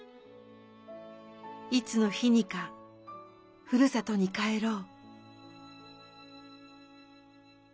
いつの日にかふるさとに帰ろう」。